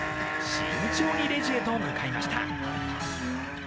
慎重にレジへと向かいました。